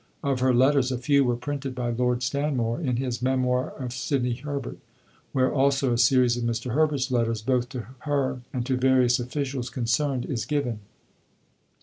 Of her letters a few were printed by Lord Stanmore in his Memoir of Sidney Herbert, where also a series of Mr. Herbert's letters, both to her and to various officials concerned, is given.